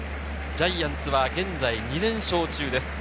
ジャイアンツは現在２連勝中です。